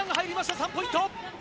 ３ポイント。